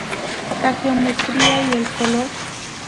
Le geometría y el color.